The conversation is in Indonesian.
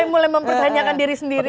mulai mempertanyakan diri sendiri